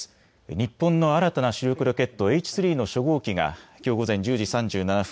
日本の新たな主力ロケットＨ３の初号機がきょう午前１０時３７分